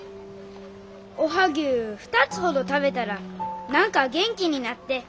おはぎゅう２つほど食べたら何か元気になって。